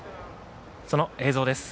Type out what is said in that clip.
その映像です。